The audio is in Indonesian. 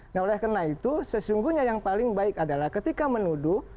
nah oleh karena itu sesungguhnya yang paling baik adalah ketika menuduh